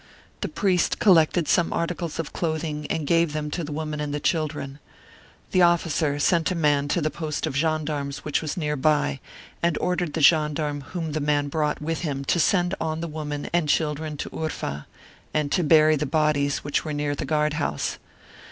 The priest col lected some articles of clothing and gave them to the woman and the children ; the officer sent a man Martyred Armenia 17 to the post of gendarmes which was near by, and ordered the gendarme whom the man brought with him to send on the woman and children to Urfa, and to bury the bodies which were near the guard house.